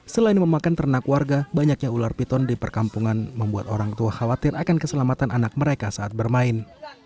selain memakan ternak warga banyaknya ular piton di perkampungan membuat orang tua khawatir akan keselamatan anak mereka saat bermain